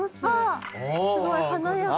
すごい華やか。